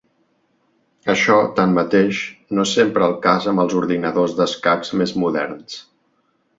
Això, tanmateix, no és sempre el cas amb els ordinadors d'escacs més moderns.